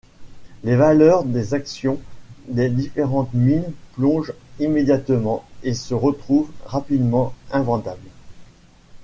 Les valeurs des actions des différentes mines plongent immédiatement, et se retrouvent rapidement invendables.